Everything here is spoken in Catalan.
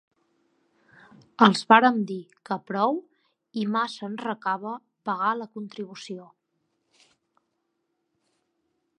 Els vàrem dir que prou i massa ens recava pagar la contribució.